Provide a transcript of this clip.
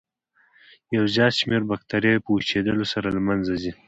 یو زیات شمېر باکتریاوې په وچېدلو سره له منځه ځي.